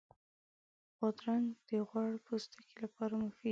بادرنګ د غوړ پوستکي لپاره مفید دی.